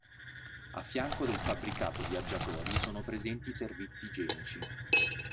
A fianco del fabbricato viaggiatori sono presenti i servizi igienici.